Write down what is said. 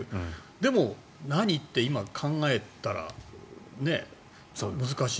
でも何って今考えたら難しい。